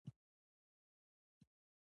مونږ ګډ یو